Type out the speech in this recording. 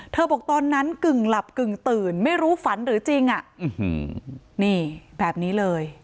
บอกตอนนั้นกึ่งหลับกึ่งตื่นไม่รู้ฝันหรือจริงนี่แบบนี้เลย